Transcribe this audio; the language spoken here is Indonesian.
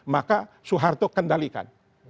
maka soeharto kendalikan